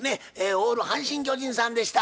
オール阪神・巨人さんでした。